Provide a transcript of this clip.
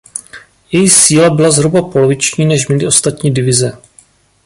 Její síla byla zhruba poloviční než měly ostatní divize.